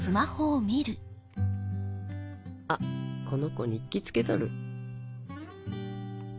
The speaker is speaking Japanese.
あっこの子日記つけとる。